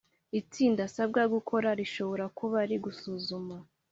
itsinda asabwa gukora rishobora kuba rigusuzuma